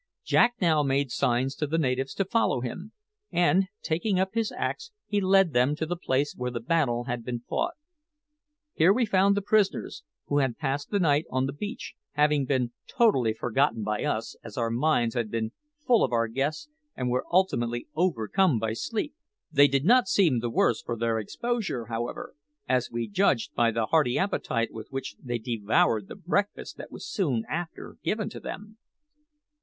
Jack now made signs to the natives to follow him, and taking up his axe, he led them to the place where the battle had been fought. Here we found the prisoners, who had passed the night on the beach, having been totally forgotten by us, as our minds had been full of our guests, and were ultimately overcome by sleep. They did not seem the worse for their exposure, however, as we judged by the hearty appetite with which they devoured the breakfast that was soon after given to them.